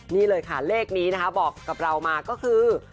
นี่เลยค่ะเลขนี้นะคะบอกกับเรามาก็คือ